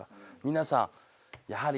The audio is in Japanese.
皆さんやはり。